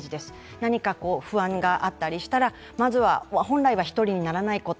何か不安があったりしたら、まずは本来は１人にならないこと。